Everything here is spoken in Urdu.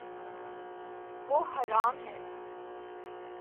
وہ ہرا م ہے